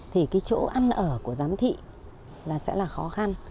thì cái chỗ ăn ở của giám thị là sẽ là khó khăn